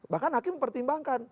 bahkan hakim mempertimbangkan